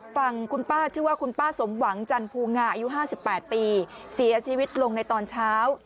ฝั่งคุณป้าชื่อว่าคุณป้าสมหวังจันภูงาอายุ๕๘ปีเสียชีวิตลงในตอนเช้า